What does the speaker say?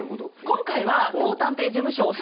今回は当探偵事務所